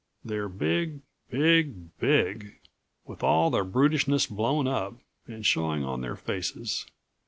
They're big, big, BIG, with all the brutishness blown up, and showing on their faces.